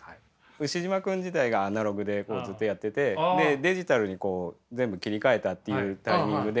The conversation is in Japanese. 「ウシジマくん」時代がアナログでずっとやっててでデジタルにこう全部切り替えたっていうタイミングで。